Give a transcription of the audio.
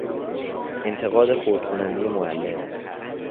انتقاد خرد کنندهی معلم